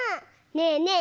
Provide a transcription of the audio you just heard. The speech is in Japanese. ねえねえ